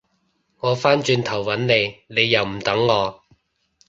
我返轉頭搵你，你又唔等我